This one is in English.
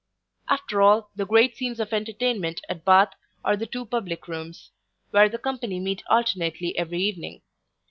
After all, the great scenes of entertainment at Bath, are the two public rooms; where the company meet alternately every evening.